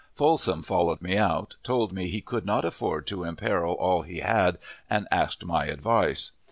Folsom followed me out, told me he could not afford to imperil all he had, and asked my advice.